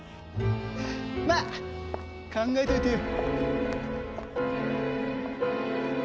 まあ考えといてよ。